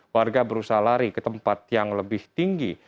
warga berusaha lari ke tempat yang lebih tinggi